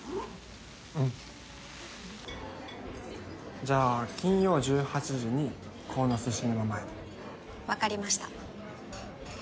うんじゃあ金曜１８時にこうのすシネマ前で分かりました